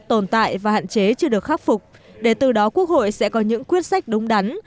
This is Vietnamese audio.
tồn tại và hạn chế chưa được khắc phục để từ đó quốc hội sẽ có những quyết sách đúng đắn